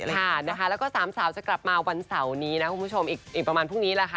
ค่ะนะคะแล้วก็สามสาวจะกลับมาวันเสาร์นี้นะคุณผู้ชมอีกประมาณพรุ่งนี้แหละค่ะ